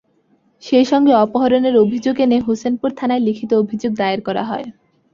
সেই সঙ্গে অপহরণের অভিযোগ এনে হোসেনপুর থানায় লিখিত অভিযোগ দায়ের করা হয়।